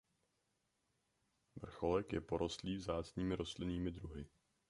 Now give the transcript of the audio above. Vrcholek je porostlý vzácnými rostlinnými druhy.